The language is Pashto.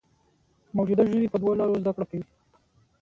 موجوده ژوي په دوو لارو زده کړه کوي.